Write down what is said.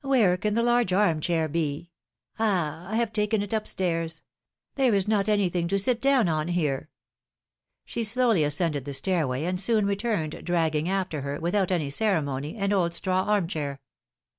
Where can the large arm chair be ? Ah ! I have taken it up stairs ! There is not anything to sit down on here.^^ She slowly ascended the stairway, and soon returned, dragging after her, without any ceremony, an old straw arm chair.